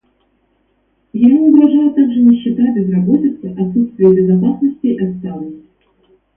Ему угрожают также нищета, безработица, отсутствие безопасности и отсталость.